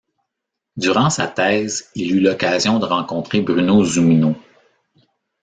Durant sa thèse, il eut l'occasion de rencontrer Bruno Zumino.